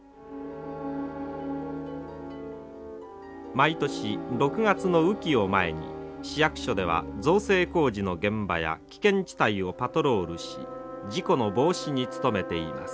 毎年６月の雨期を前に市役所では造成工事の現場や危険地帯をパトロールし事故の防止に努めています。